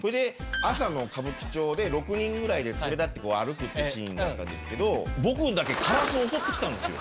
朝の歌舞伎町で６人で連れ立って歩くシーンだったんですけど僕にだけカラス襲って来たんですよ